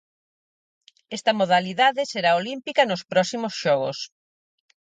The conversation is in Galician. Esta modalidade será olímpica nos próximos xogos.